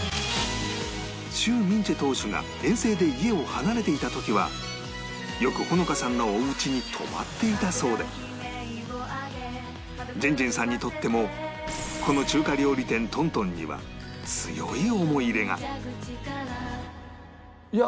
許銘傑投手が遠征で家を離れていた時はよく穂乃花さんのおうちに泊まっていたそうでジェンジェンさんにとってもこの中華料理店東東には強い思い入れが